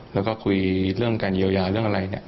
แล้วก็คุยเรื่องการเยียวยาเรื่องอะไรเนี่ย